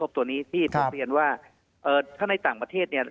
กระทบตัวนี้ที่ภาพเรียนว่าเอ่อถ้าในต่างประเทศเนี่ย